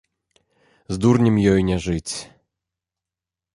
З дурнем ёй не жыць.